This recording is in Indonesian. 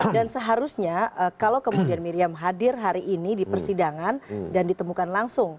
dan seharusnya kalau kemudian miriam hadir hari ini di persidangan dan ditemukan langsung